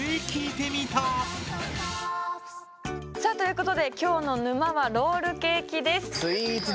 さあということで今日の沼は「ロールケーキ」です。